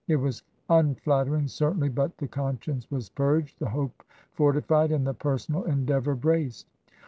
It was unflattering, certainly, but the conscience was purged, the hope fortified, and the personal endeavour braced.